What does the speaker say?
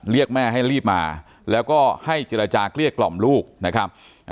เรียกแม่ให้รีบมาแล้วก็ให้เจรจาเกลี้ยกล่อมลูกนะครับ